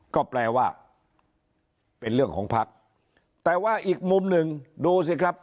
ก็แปลว่าเป็นเรื่องของภักดิ์แต่ว่าอีกมุมหนึ่งดูสิครับ